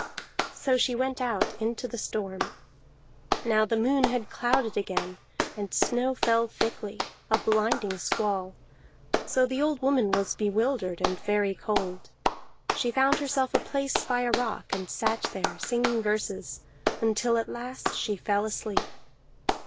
So she went out into the storm. Now the moon had clouded again, and snow fell thickly, a blinding squall; so the old woman was bewildered, and very cold. She found herself a place by a rock, and sat there, singing verses, until at last she fell asleep.